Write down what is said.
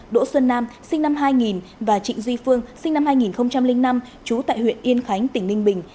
đỗ xuân nam sinh năm hai nghìn và trịnh duy phương sinh năm hai nghìn năm trú tại huyện yên khánh tỉnh ninh bình